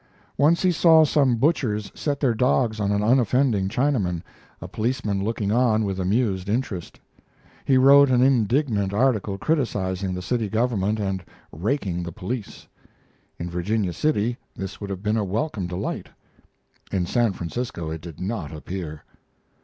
Once he saw some butchers set their dogs on an unoffending Chinaman, a policeman looking on with amused interest. He wrote an indignant article criticizing the city government and raking the police. In Virginia City this would have been a welcome delight; in San Francisco it did not appear.